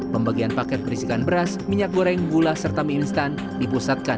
pembagian paket berisikan beras minyak goreng gula serta mie instan dipusatkan